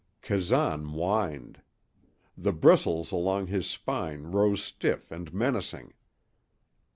Kazan whined. The bristles along his spine rose stiff and menacing.